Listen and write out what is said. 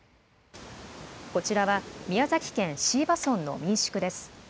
こちらは宮崎県椎葉村の民宿です。